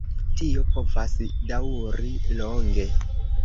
Tio povas daŭri longe.